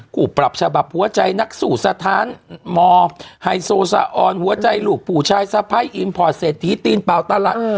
กูปรับฉบับหัวใจนักสู่สถานหมอไฮโซสะออนหัวใจหลูกผู้ชายสะพัยอิมพอร์เซตฮีตีนปาวตลาด